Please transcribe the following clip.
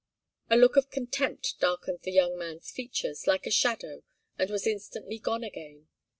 A look of contempt darkened the young man's features like a shadow, and was instantly gone again.